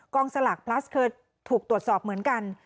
กองสลักพลัสเคิร์ดถูกตรวจสอบเหมือนกัน